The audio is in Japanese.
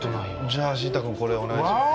じゃあ、真太君、これお願いします。